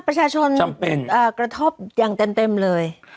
ประชาชนกระทบอย่างเต็มเลย